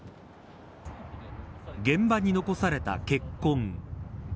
現場に残された血痕。